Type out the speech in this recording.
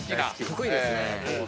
得意ですね。